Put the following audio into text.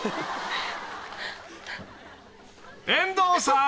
［遠藤さん！］